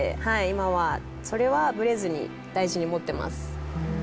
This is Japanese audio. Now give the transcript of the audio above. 今はそれはブレずに大事に持ってます。